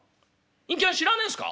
隠居はん知らねえんすか？